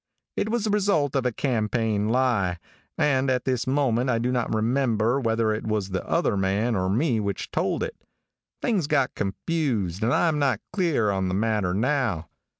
"It was the result of a campaign lie, and at this moment I do not remember whether it was the other man or me which told it. Things got confused and I am not clear on the matter now.